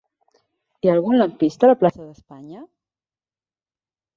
Hi ha algun lampista a la plaça d'Espanya?